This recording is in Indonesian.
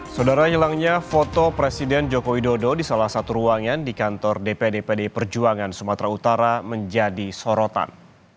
saudara nyelangnya foto presiden joko widodo di salah satu ruangan di kantor dpd pdi perjuangan sumatera utara menjadi sorotan